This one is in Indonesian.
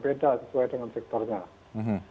dia captain aktif